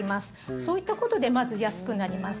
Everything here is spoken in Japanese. そういったことでまず安くなります。